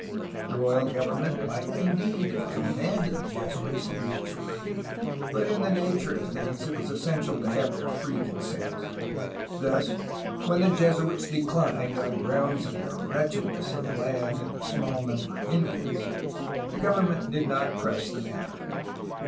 The royal government might indeed have commanded the Jesuits to do this work, but in the nature of things it was essen tial to have their free consent. Thus, when the Jesuits declined, on grounds of the wretchedness of the land and the small number of Indians, the government did not press the matter.